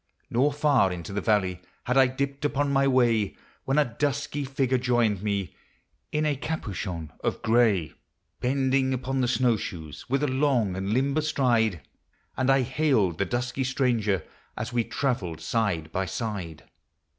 Nor far into the valley Had I dipped upon my way, When a dusky figure joined me, In a capuchon of gray, Bending upon the snow shoes, With a long and limber stride ; And I hailed the dusky stranger As we travelled side by side.